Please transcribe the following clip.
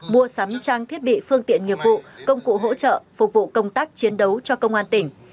mua sắm trang thiết bị phương tiện nghiệp vụ công cụ hỗ trợ phục vụ công tác chiến đấu cho công an tỉnh